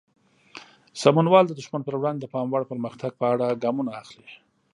سمونوال د دښمن پر وړاندې د پام وړ پرمختګ په اړه ګامونه اخلي.